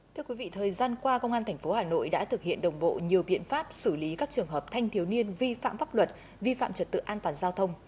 thưa quý vị thời gian qua công an tp hà nội đã thực hiện đồng bộ nhiều biện pháp xử lý các trường hợp thanh thiếu niên vi phạm pháp luật vi phạm trật tự an toàn giao thông